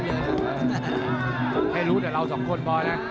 ไม่รู้แต่เราสองคนบ่อยนะ